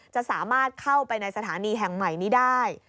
จะสามารถเข้าไปในสถานีแห่งใหม่นี้ได้